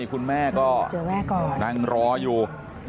คุณแม่ก็นั่งรออยู่